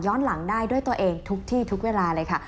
หลังได้ด้วยตัวเองทุกที่ทุกเวลาเลยค่ะ